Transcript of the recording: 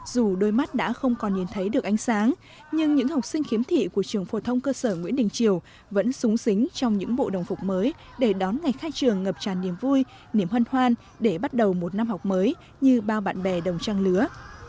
dù đôi mắt đã không còn nhìn thấy được ánh sáng nhưng những học sinh khiếm thị của trường phổ thông cơ sở nguyễn đình triều vẫn súng xính trong những bộ đồng phục mới để đón ngày khai trường ngập tràn niềm vui niềm hân hoan để bắt đầu một năm học mới như bao bạn bè đồng trang lứa